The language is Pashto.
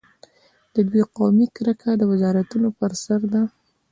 د دوی قومي کرکه د وزارتونو پر سر ده.